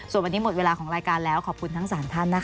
ส่วนวันนี้หมดเวลาของรายการแล้วขอบคุณทั้ง๓ท่านนะคะ